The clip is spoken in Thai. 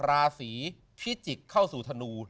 ราศีพิจิกษ์เข้าสู่ธนู